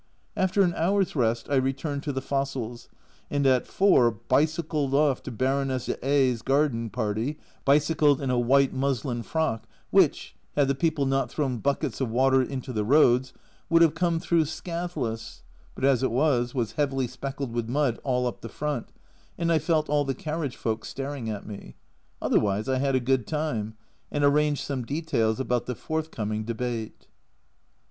After an hour's rest I returned to the fossils, and at 4 bicycled off to Baroness d'A 's garden party, bicycled in a white muslin frock, which, had the people not thrown buckets of water into the roads, would have come through scathless, but as it was, was heavily specked with mud all up the front, and I felt all the carriage folk staring at me. Otherwise I had a good time, and arranged some details about the forthcoming Debate.